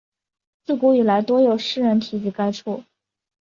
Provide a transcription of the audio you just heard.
自古以来多有诗人提及该处。